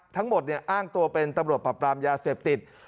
ทั้งหมดเนี่ยอ้างตัวเป็นตำรวจปรับปรามยาเสพติด